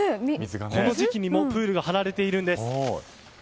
この時期にもプールが張られているんです。